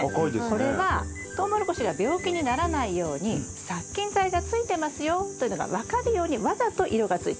これはトウモロコシが病気にならないように殺菌剤がついてますよというのが分かるようにわざと色がついています。